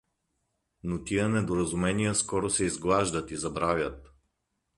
Но тия недоразумения скоро се изглаждат и забравят.